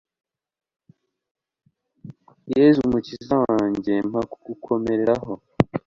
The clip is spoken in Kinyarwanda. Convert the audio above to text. yezu mukiza wanjye, mpa kugukomeraho